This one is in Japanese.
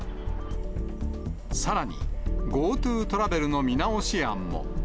さらに、ＧｏＴｏトラベルの見直し案も。